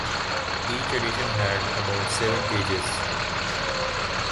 Each edition had about seven pages.